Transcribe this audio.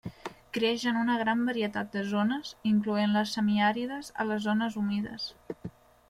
Creix en una gran varietat de zones incloent les semiàrides a les zones humides.